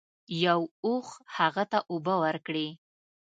یو اوښ هغه ته اوبه ورکړې.